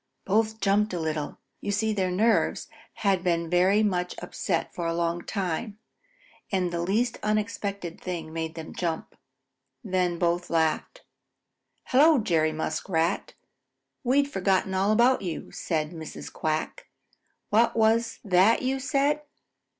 Both jumped a little. You see their nerves had been very much upset for a long time, and the least unexpected thing made them jump. Then both laughed. "Hello, Jerry Muskrat! We'd forgotten all about you," said Mrs. Quack. "What was that you said?"